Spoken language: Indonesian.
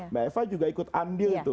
mbak eva juga ikut andil tuh